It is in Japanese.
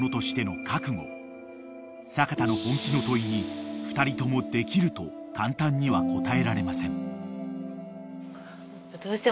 ［阪田の本気の問いに２人とも「できる」と簡単には答えられません］